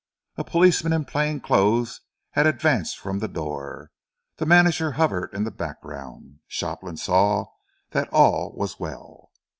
A policeman in plain clothes had advanced from the door. The manager hovered in the background. Shopland saw that all was well.